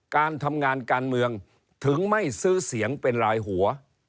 การทำงานการเมืองถึงไม่ซื้อเสียงเป็นลายหัว